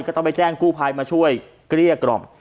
ก็ต้องไปแจ้งกู้ภัยมาช่วยเกลี้ยกล่อม